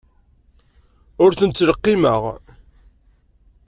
Ur ten-ttleqqimeɣ.